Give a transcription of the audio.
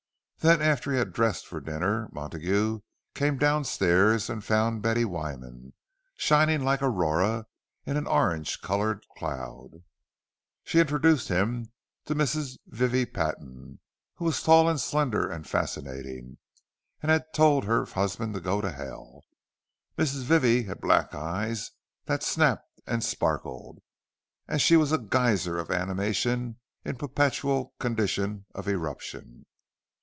Then, after he had dressed for dinner, Montague came downstairs, and found Betty Wyman, shining like Aurora in an orange coloured cloud. She introduced him to Mrs. Vivie Patton, who was tall and slender and fascinating, and had told her husband to go to hell. Mrs. Vivie had black eyes that snapped and sparkled, and she was a geyser of animation in a perpetual condition of eruption.